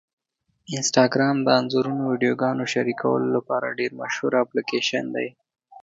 انسټاګرام د انځورونو او ویډیوګانو شریکولو لپاره ډېره مشهوره اپلیکېشن ده.